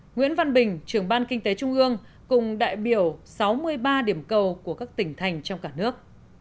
nguyễn văn bình trưởng ban kinh tế trung ương cùng đại biểu sáu mươi ba điểm cầu của các tỉnh thành trong cả nước